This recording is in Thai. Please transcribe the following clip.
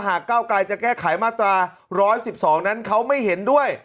ก้าวกลายจะแก้ไขมาตรา๑๑๒นั้นเขาไม่เห็นด้วย